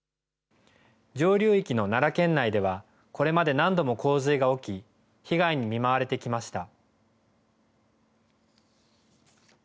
上流域の奈良県内では、これまで何度も洪水が起き、被害に見舞われてきました。